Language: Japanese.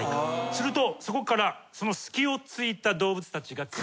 するとそこからその隙を突いた動物たちが。